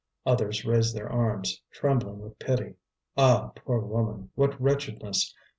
Others raised their arms, trembling with pity. Ah, poor woman! what wretchedness!